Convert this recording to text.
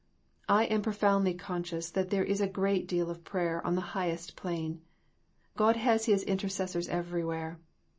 I am pro foundly conscious that there is a great deal of prayer on the highest plane. God has His inter cessors everywhere.